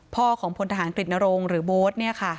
พ่อของพลทหารกฤตนรงค์หรือโบ๊ท